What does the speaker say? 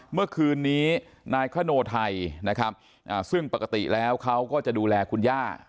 เมื่อคืนนี้นายคโนไทยนะครับซึ่งปกติแล้วเขาก็จะดูแลคุณย่า